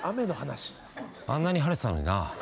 あんなに晴れてたのにな。